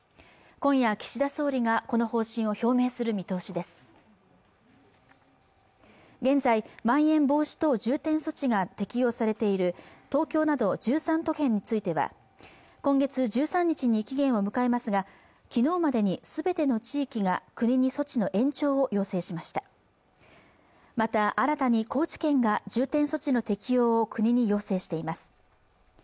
今夜、岸田総理がこの方針を表明する見通しです現在まん延防止等重点措置が適用されている東京など１３都県については今月１３日に期限を迎えますが昨日までにすべての地域が国に措置の延長を要請しましたまた新たに高知県が重点措置の適用を国に要請しています